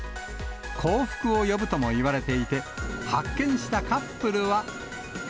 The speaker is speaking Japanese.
幸福を呼ぶともいわれていて、発見したカップルは。